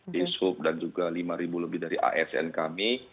di sub dan juga lima ribu lebih dari asn kami